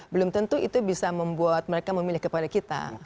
belum tentu itu bisa membuat mereka memilih kepada kita